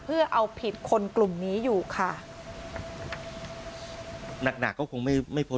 เพื่อเอาผิดคนกลุ่มนี้อยู่ค่ะหนักหนักก็คงไม่ไม่พ้น